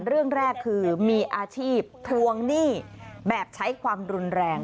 เรื่องแรกคือมีอาชีพทวงหนี้แบบใช้ความรุนแรง